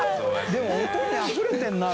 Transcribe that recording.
でも音にあふれてるな